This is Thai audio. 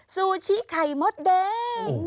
ซูชิไข่มดแดง